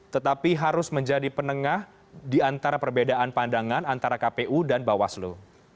tetapi harus menjadi penengah di antara perbedaan pandangan antara kpu dan bawaslu